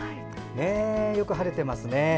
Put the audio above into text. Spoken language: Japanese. よく晴れてますね。